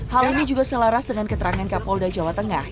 hal ini juga selaras dengan keterangan kapolda jawa tengah